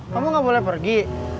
kamu nggak boleh pergi